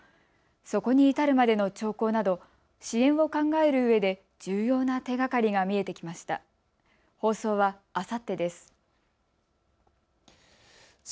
そこに至るまでの兆候など支援を考えるうえで重要な手がかりが見えてきました。